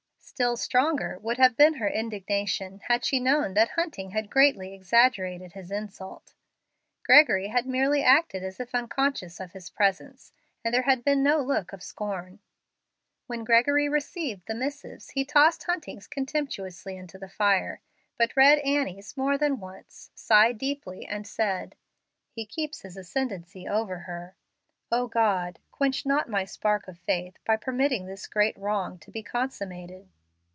Still stronger would have been her indignation had she known that Hunting had greatly exaggerated his insult. Gregory had merely acted as if unconscious of his presence, and there had been no look of scorn. When Gregory received the missives he tossed Hunting's contemptuously into the fire, but read Annie's more than once, sighed deeply, and said, "He keeps his ascendency over her. O God! quench not my spark of faith by permitting this great wrong to be consummated."